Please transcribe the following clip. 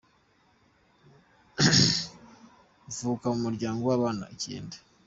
Mvuka mu muryango w'abana icyenda.